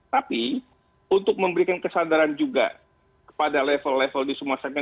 tapi untuk memberikan kesadaran juga kepada level level di semua sektor